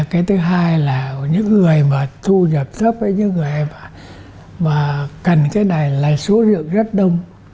cái thứ hai là những người mà thu nhập thấp với những người mà cần cái này là số rượu rất đông